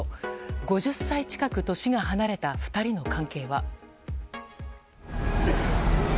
５０歳近く年が離れた２人の関係は。